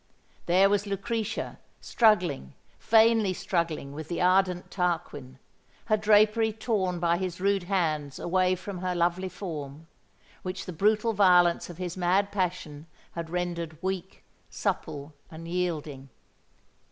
There was Lucretia, struggling—vainly struggling with the ardent Tarquin,—her drapery torn by his rude hands away from her lovely form, which the brutal violence of his mad passion had rendered weak, supple, and yielding.